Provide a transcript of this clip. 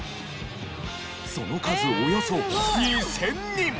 その数およそ２０００人。